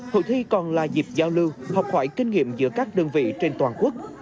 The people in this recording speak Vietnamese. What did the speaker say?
hội thi còn là dịp giao lưu học hỏi kinh nghiệm giữa các đơn vị trên toàn quốc